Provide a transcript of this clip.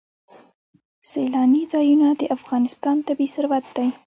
سیلانی ځایونه د افغانستان طبعي ثروت دی.